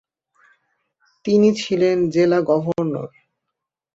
তিনি ছিলেন জেলা গভর্নর।